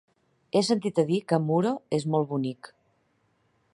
He sentit a dir que Muro és molt bonic.